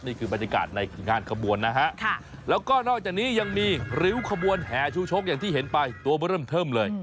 นี่คือบรรยากาศในงานขบวนนะฮะแล้วก็นอกจากนี้ยังมีริ้วขบวนแห่ชูชกอย่างที่เห็นไปตัวเริ่มเทิมเลย